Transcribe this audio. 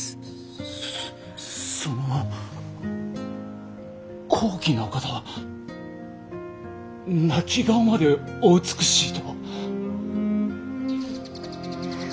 その高貴なお方は泣き顔までお美しいと！